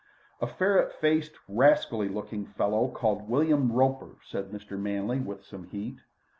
"A ferret faced, rascally looking fellow, called William Roper," said Mr. Manley with some heat.